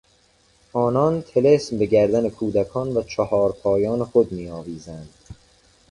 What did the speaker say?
آنان طلسم به گردن کودکان و چهار پایان خود میآویزند.